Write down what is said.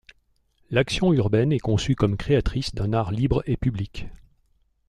L’action urbaine est conçue comme créatrice d’un art libre et public.